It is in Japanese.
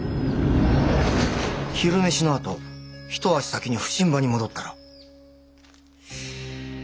昼飯のあと一足先に普請場に戻ったら。